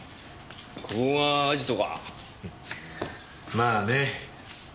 まあね。